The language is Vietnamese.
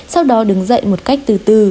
sau đó đứng dậy một cách từ từ